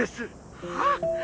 はっ？